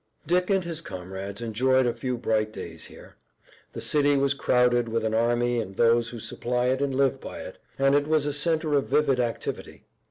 Dick and his comrades enjoyed a few bright days here. The city was crowded with an army and those who supply it and live by it, and it was a center of vivid activity.